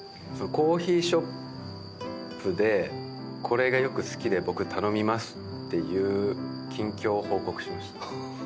コーヒーショップでこれがよく好きで僕頼みますっていう近況を報告しました。